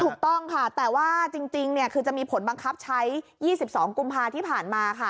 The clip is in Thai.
ถูกต้องค่ะแต่ว่าจริงคือจะมีผลบังคับใช้๒๒กุมภาที่ผ่านมาค่ะ